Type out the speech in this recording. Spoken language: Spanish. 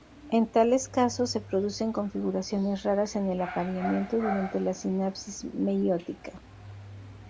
En tales casos se producen configuraciones raras en el apareamiento durante la sinapsis meiótica.